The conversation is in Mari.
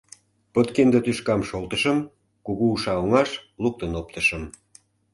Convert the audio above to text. Подкинде тӱшкам шолтышым, кугу уша оҥаш луктын оптышым.